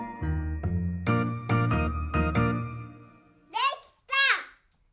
できた！